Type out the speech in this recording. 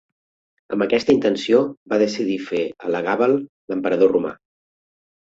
Amb aquesta intenció, va decidir fer Elagàbal l'emperador romà.